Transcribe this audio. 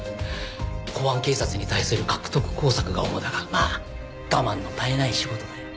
公安警察に対する獲得工作が主だがまあ我慢の絶えない仕事だよ。